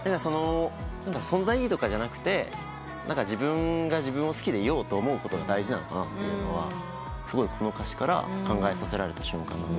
存在意義とかじゃなくて自分が自分を好きでいようと思うことが大事なのかなというのはすごいこの歌詞から考えさせられた瞬間。